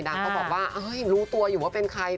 เขาบอกว่ารู้ตัวอยู่ว่าเป็นใคร